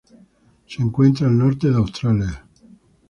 Se encuentra al norte de Australia.